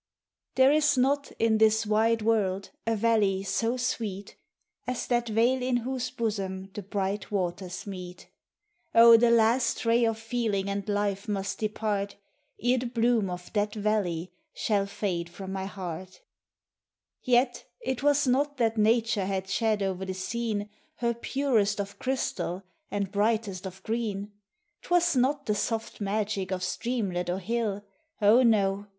There is not in this wide world a valley so sweet As that vale in whose bosom the bright waters meet; O, the last ray of feeling and life must depart Ere the bloom of that valley shall fade from my heart ! Digitized by Google FRIES DHH1 P. ;{.>! Yet it was not that Nature had shed o'er the scene Her purest of crystal and brightest of green; 'T was not the soft magic of streamlet or hill, — O, no!